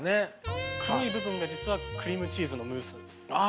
黒い部分が実はクリームチーズのムース。